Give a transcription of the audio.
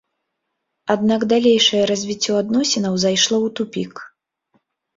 Аднак далейшае развіццё адносінаў зайшло ў тупік.